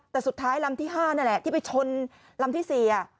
แต่สุดท้ายลำที่๕นั่นแหละที่ไปชนลำที่๔